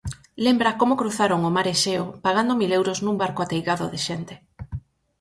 Lembra como cruzaron o Mar Exeo, pagando mil euros nun barco ateigado de xente.